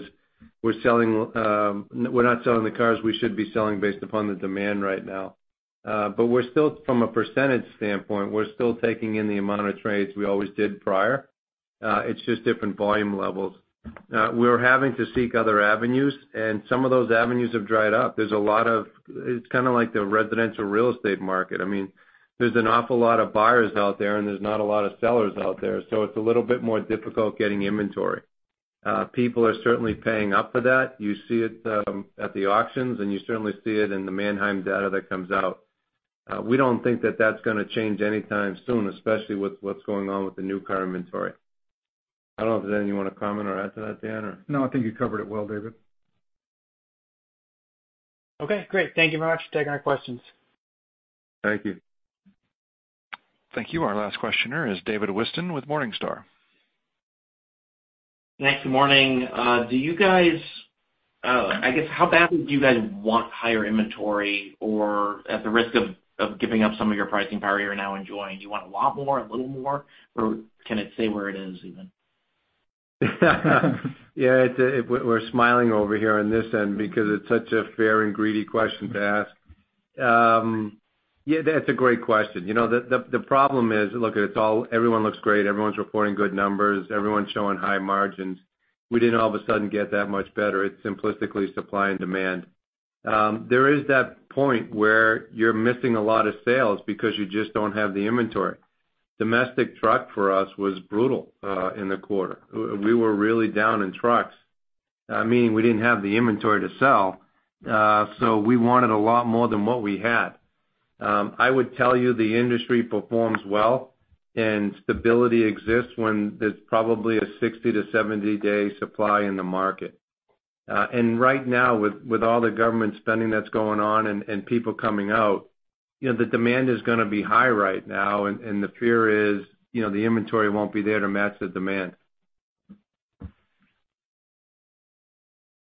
we're not selling the cars we should be selling based upon the demand right now. From a percentage standpoint, we're still taking in the amount of trades we always did prior. It's just different volume levels. We're having to seek other avenues, and some of those avenues have dried up. It's kind of like the residential real estate market. There's an awful lot of buyers out there, and there's not a lot of sellers out there, so it's a little bit more difficult getting inventory. People are certainly paying up for that. You see it at the auctions, and you certainly see it in the Manheim data that comes out. We don't think that that's going to change anytime soon, especially with what's going on with the new car inventory. I don't know if there's anything you want to comment or add to that, Dan, or?
No, I think you covered it well, David.
Okay, great. Thank you very much for taking our questions.
Thank you.
Thank you. Our last questioner is David Whiston with Morningstar.
Thanks, good morning. I guess how badly do you guys want higher inventory? At the risk of giving up some of your pricing power you're now enjoying, do you want a lot more, a little more, or can it stay where it is even?
Yeah, we're smiling over here on this end because it's such a fair and greedy question to ask. Yeah, that's a great question. The problem is, look, everyone looks great. Everyone's reporting good numbers. Everyone's showing high margins. We didn't all of a sudden get that much better. It's simplistically supply and demand. There is that point where you're missing a lot of sales because you just don't have the inventory. Domestic truck for us was brutal in the quarter. We were really down in trucks. I mean, we didn't have the inventory to sell, so we wanted a lot more than what we had. I would tell you the industry performs well and stability exists when there's probably a 60-to-70-day supply in the market. Right now, with all the government spending that's going on and people coming out, the demand is going to be high right now, and the fear is the inventory won't be there to match the demand.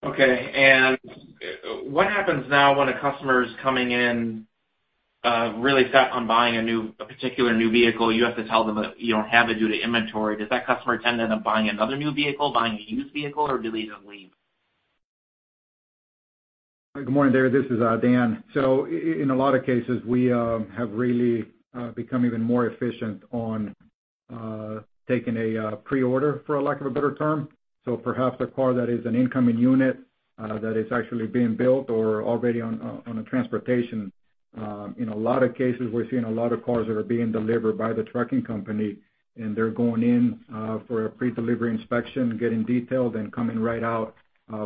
Okay. What happens now when a customer's coming in really set on buying a particular new vehicle, you have to tell them that you don't have it due to inventory? Does that customer end up buying another new vehicle, buying a used vehicle, or do they just leave?
Good morning there. This is Dan. In a lot of cases, we have really become even more efficient on taking a pre-order, for lack of a better term. Perhaps a car that is an incoming unit that is actually being built or already on a transportation. In a lot of cases, we're seeing a lot of cars that are being delivered by the trucking company, and they're going in for a predelivery inspection, getting detailed, and coming right out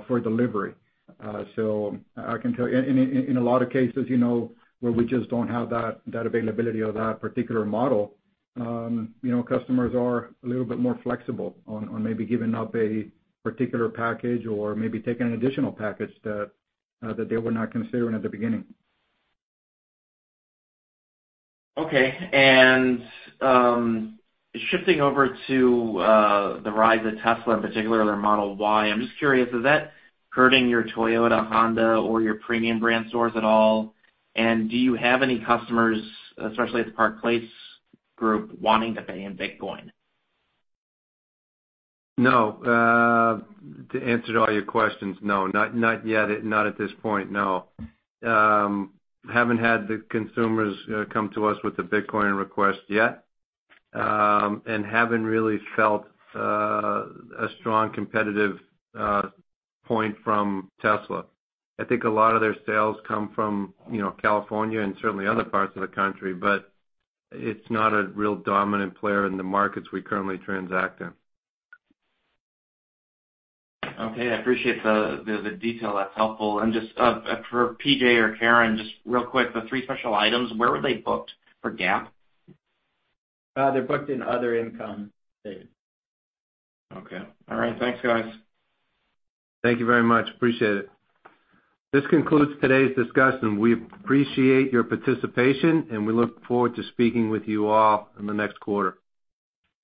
for delivery. I can tell you, in a lot of cases, where we just don't have that availability of that particular model, customers are a little bit more flexible on maybe giving up a particular package or maybe taking an additional package that they were not considering at the beginning.
Okay. Shifting over to the rise of Tesla, in particular their Model Y, I'm just curious, is that hurting your Toyota, Honda, or your premium brand stores at all? Do you have any customers, especially at the Park Place group, wanting to pay in Bitcoin?
No. To answer all your questions, no. Not yet. Not at this point, no. Haven't had the consumers come to us with the Bitcoin request yet. Haven't really felt a strong competitive point from Tesla. I think a lot of their sales come from California and certainly other parts of the country, but it's not a real dominant player in the markets we currently transact in.
Okay. I appreciate the detail. That's helpful. Just for P.J. or Karen, just real quick, the three special items, where were they booked for GAAP?
They're booked in other income.
Okay. All right, thanks, guys.
Thank you very much. Appreciate it. This concludes today's discussion. We appreciate your participation, and we look forward to speaking with you all in the next quarter.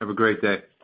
Have a great day.